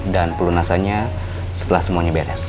dan pelunasannya setelah semuanya beres